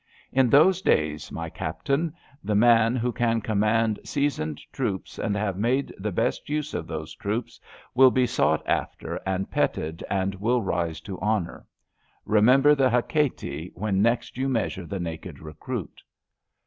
In those days, my captain, the man who ca^ command seasoned troops and have made the best use of those troops will be sought after and petted and will rise to honour. Re member the Hakaiti when next you measure the naked recruit.